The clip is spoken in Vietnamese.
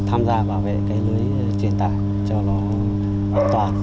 tham gia bảo vệ cái lưới truyền tải cho nó an toàn